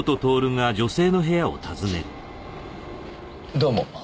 どうも。